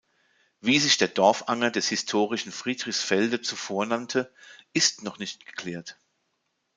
Wie sich der Dorfanger des historischen Friedrichsfelde zuvor nannte, ist noch nicht geklärt.